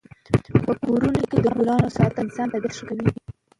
په کورونو کې د ګلانو ساتل د انسان طبعیت ښه کوي.